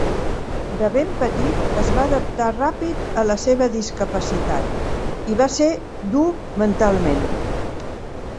De ben petit, es va adaptar ràpid a la seva discapacitat, i va ser dur mentalment.